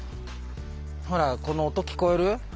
ほらこの音聞こえる？